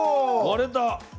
割れた。